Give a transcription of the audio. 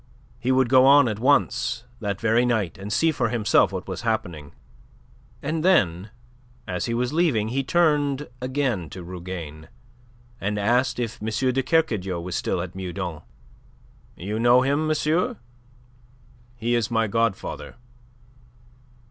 He would go on at once, that very night, and see for himself what was happening. And then, as he was leaving, he turned again to Rougane to ask if M. de Kercadiou was still at Meudon. "You know him, monsieur?" "He is my godfather."